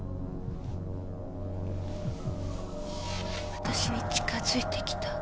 わたしに近づいてきた。